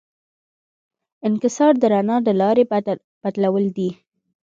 انکسار د رڼا د لارې بدلول دي.